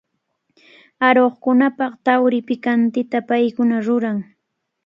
Aruqkunapaq tarwi pikantita paykuna ruran.